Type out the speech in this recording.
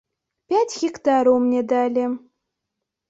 Пяць гектараў мне далі.